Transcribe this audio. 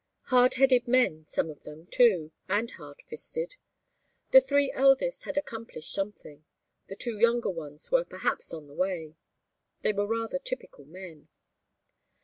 Hard headed men, some of them, too, and hard fisted. The three eldest had each accomplished something. The two younger ones were perhaps on the way. They were rather typical men.